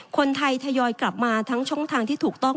คนไทยทยอยกลับมาทั้งช่องทางที่ถูกต้อง